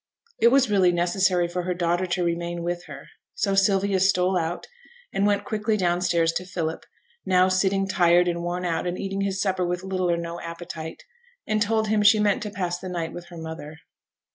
It was really necessary for her daughter to remain with her; so Sylvia stole out, and went quickly down stairs to Philip now sitting tired and worn out, and eating his supper with little or no appetite and told him she meant to pass the night with her mother.